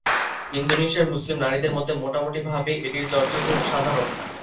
ইন্দোনেশিয়ার মুসলিম নারীদের মধ্যে মোটামুটি ভাবে এটির চর্চা খুব সাধারণ।